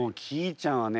ちゃんはね